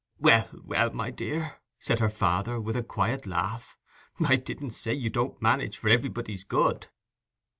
"Well, well, my dear," said her father, with a quiet laugh, "I didn't say you don't manage for everybody's good."